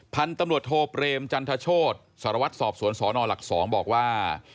พันธุ์ตำรวจโทเพรมจันทชโศษสสสนหลัก๒บอกว่า